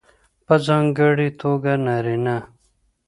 په ځانګړې توګه نارینه